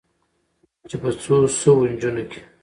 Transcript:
چې په څو سوو نجونو کې